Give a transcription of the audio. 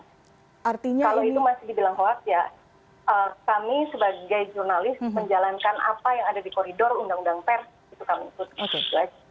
kalau itu masih dibilang hoax ya kami sebagai jurnalis menjalankan apa yang ada di koridor undang undang pers itu kami ikuti